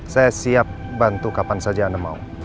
saya siap bantu kapan saja anda mau